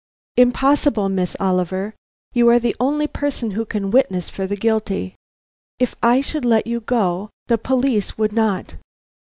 "Impossible, Miss Oliver. You are the only person who can witness for the guilty. If I should let you go, the police would not.